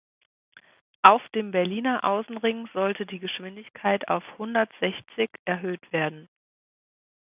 Auf dem Berliner Außenring sollte die Geschwindigkeit auf hundertsechzig erhöht werden.